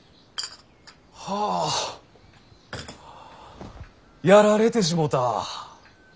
はぁやられてしもた！